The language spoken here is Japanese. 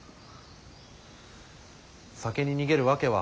酒に逃げる訳は？